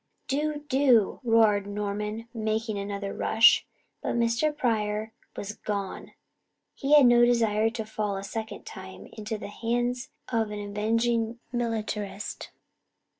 "Do do," roared Norman, making another rush. But Mr. Pryor was gone. He had no desire to fall a second time into the hands of an avenging militarist.